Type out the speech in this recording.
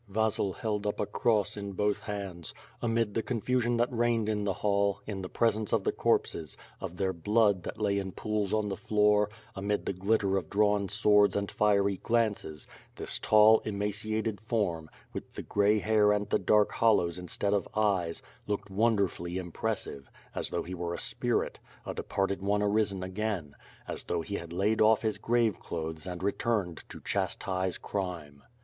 Vasil held up a cross in both hands. Amid the confusion that reigned in the hall, in the presence of the corpses, of their blood that lay in pools on the floor, amid the glitter of drawn swords and fiery glances, this tall, emaciated form, with the gray hair and the dark hollows instead of eyes, looked wonderfully impressive, as though he were a spirit, a departed one arisen again; as though he had laid olf his grave clothes and returned to chastise crime.